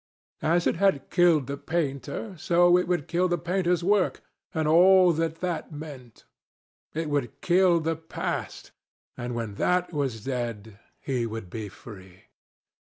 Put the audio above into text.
As it had killed the painter, so it would kill the painter's work, and all that that meant. It would kill the past, and when that was dead, he would be free.